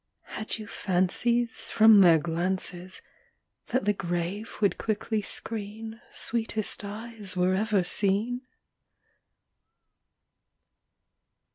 Had you fancies From their glances, That the grave would quickly screen "Sweetest eyes were ever seen"?